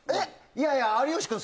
いやいや有吉くん